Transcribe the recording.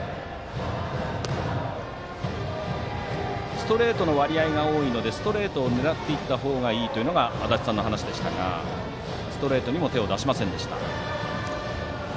ストレートの割合が多いのでストレートを狙って行った方がいいというのが足達さんの話でしたがストレートにも手を出しませんでした。